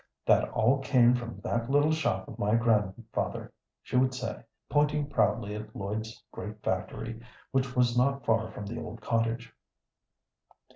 "That all came from that little shop of my grandfather," she would say, pointing proudly at Lloyd's great factory, which was not far from the old cottage.